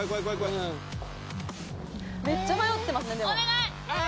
めっちゃ迷ってますねでもあ！